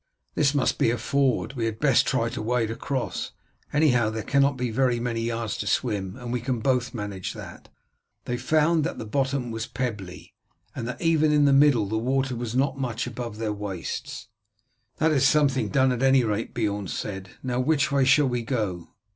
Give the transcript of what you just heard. "This must be a ford, we had best try to wade across. Anyhow there cannot be very many yards to swim, and we can both manage that." They found that the bottom was pebbly, and that even in the middle the water was not much above their waists. "That is something done, at any rate," Beorn said. "Now which way shall we go?